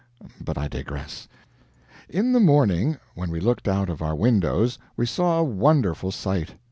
But I digress. In the morning, when we looked out of our windows, we saw a wonderful sight.